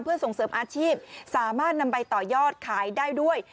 เพื่อส่งเสริมอาชีพสามารถนำไปต่อยอดขายได้ด้วย